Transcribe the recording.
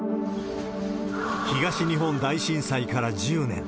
東日本大震災から１０年。